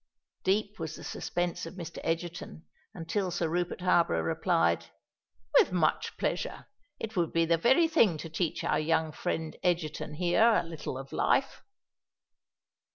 Deep was the suspense of Mr. Egerton until Sir Rupert Harborough replied, "With much pleasure. It would be the very thing to teach our young friend Egerton here a little of life."